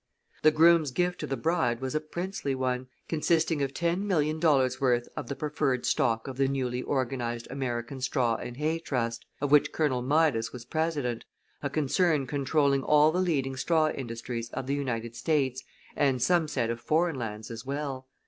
The groom's gift to the bride was a princely one, consisting of ten million dollars' worth of the preferred stock of the newly organized American Straw and Hay Trust, of which Colonel Midas was president, a concern controlling all the leading straw industries of the United States and some said of foreign lands as well.